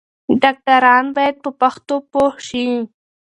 ډاکټران بايد په پښتو پوه شي.